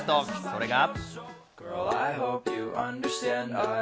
それが。